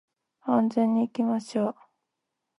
安全に行きましょう